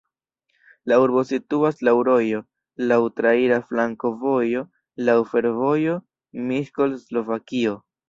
La urbo situas laŭ rojo, laŭ traira flankovojo, laŭ fervojo Miskolc-Slovakio.